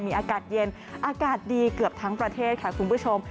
มีอากาศเย็นอากาศดีเกือบทั้งประเทศค่ะคุณผู้ชม